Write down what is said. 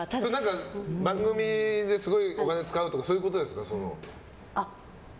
番組で、すごいお金使うとかそういうことですか？